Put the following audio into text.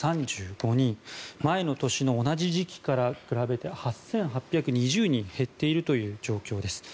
前の年の同じ時期から比べて８８２０人減っているという状況です。